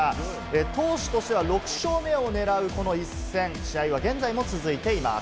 投手としては６勝目を狙うこの一戦、試合は現在も続いています。